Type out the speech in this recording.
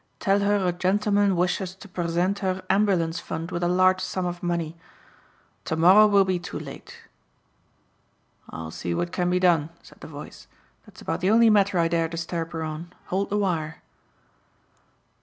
Tell her a gentleman wishes to present her ambulance fund with a large sum of money. To morrow will be too late." "I'll see what can be done," said the voice. "That's about the only matter I dare disturb her on. Hold the wire."